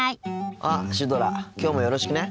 あっシュドラきょうもよろしくね。